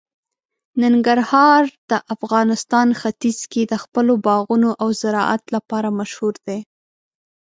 ننګرهار د افغانستان ختیځ کې د خپلو باغونو او زراعت لپاره مشهور دی.